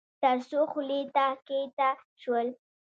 تر څو خولې ته کښته شول.